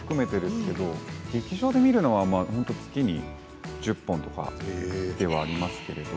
劇場で見るのは本当に月１０本とかではありますけれど。